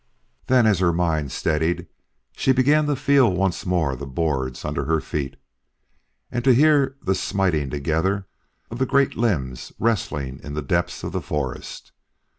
Then, as her mind steadied, she began to feel once more the boards under her feet, and to hear the smiting together of the great limbs wrestling in the depths of the forest.